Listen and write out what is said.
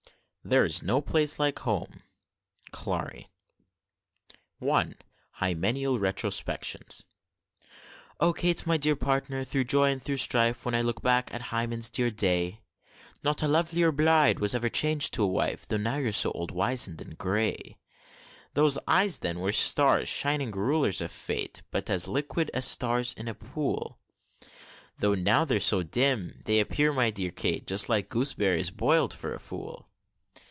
"There's no place like home." CLARI. I. HYMENEAL RETROSPECTIONS. O KATE! my dear Partner, through joy and through strife! When I look back at Hymen's dear day, Not a lovelier bride ever chang'd to a wife, Though you're now so old, wizen'd, and gray! Those eyes, then, were stars, shining rulers of fate! But as liquid as stars in a pool; Though now they're so dim, they appear, my dear Kate, Just like gooseberries boil'd for a fool!